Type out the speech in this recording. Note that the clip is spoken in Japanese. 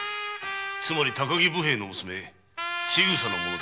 つまり高木武兵衛の娘・千草のものだ。